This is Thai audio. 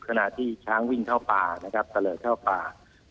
ขณะที่ช้างวิ่งเท่าป่าลเท่าป่า